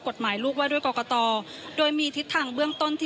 กฎหมายลูกว่าด้วยกรกตโดยมีทิศทางเบื้องต้นที่